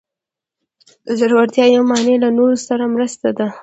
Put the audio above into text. د زړورتیا یوه معنی له نورو سره مرسته ده.